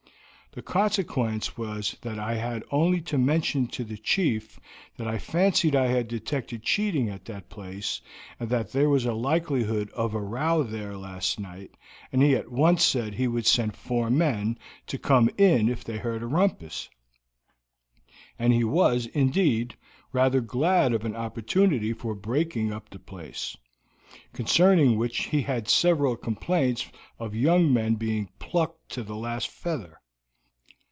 The consequence was that I had only to mention to the chief that I fancied I had detected cheating at that place, and that there was a likelihood of a row there last night, and he at once said he would send four men, to come in if they heard a rumpus; and he was, indeed, rather glad of an opportunity for breaking up the place, concerning which he had had several complaints of young men being plucked to the last feather.